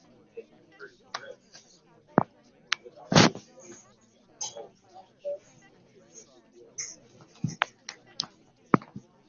She watched him in his loneliness, wondering where he would end.